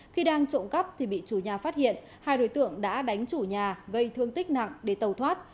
khi đang trộm cắp thì bị chủ nhà phát hiện hai đối tượng đã đánh chủ nhà gây thương tích nặng để tàu thoát